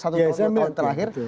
satu dua tahun terakhir